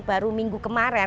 baru minggu kemarin